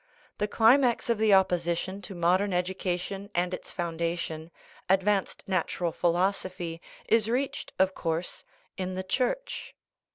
The climax of the opposition to modern education and its foundation, advanced natural philosophy, is reached, of course, in the Church.